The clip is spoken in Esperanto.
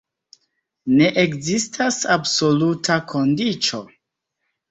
Ne ekzistas absoluta kondiĉo.